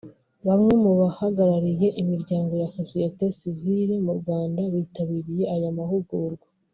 Bamwe mu bahagariye imiryango ya Sosiyete sivile mu Rwanda bitabiriye aya mahugurwa